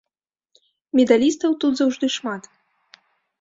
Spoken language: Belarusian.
Медалістаў тут заўжды шмат.